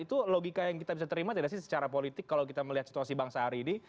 itu logika yang kita bisa terima tidak sih secara politik kalau kita melihat situasi bangsa hari ini